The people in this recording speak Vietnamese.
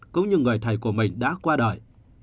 cũng như người thầy của mình đã qua đời